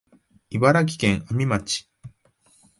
茨城県阿見町